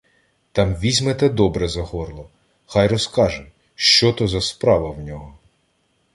Там візьмете добре за горло, хай розкаже, що то за справа в нього.